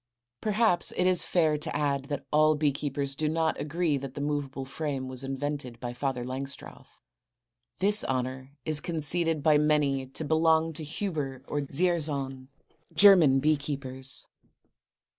Perhaps it is fair to add that all bee keepers do not agree that the movable frame was invented by Father Langstroth. This honor is conceded by many to belong to Huber or Dzierzon, German bee keepers.